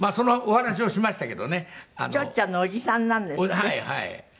はいはい。